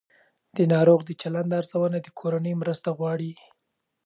د ناروغ د چلند ارزونه د کورنۍ مرسته غواړي.